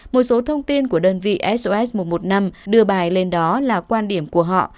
một số thông tin của đơn vị sos một trăm một mươi năm đưa bài lên đó là quan điểm của họ